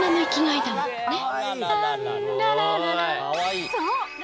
かわいい。